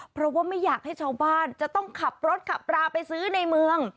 เพราะว่าไม่อยากให้ชาวบ้านจะต้องขับรถขับราไปซื้อในเมือง